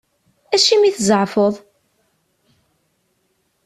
Acimi i tzeɛfeḍ?